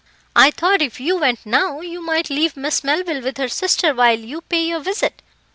I thought if you went now you might leave Miss Melville with her sister while you pay your visit.